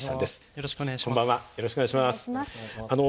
よろしくお願いします。